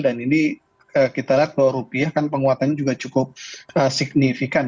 dan ini kita lihat kalau rupiah kan penguatannya juga cukup signifikan ya